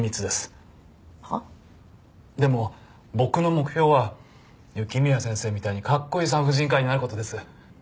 でも僕の目標は雪宮先生みたいなかっこいい産婦人科医になる事です。